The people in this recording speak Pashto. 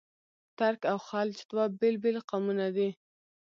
ترک او خلج دوه بېل بېل قومونه دي.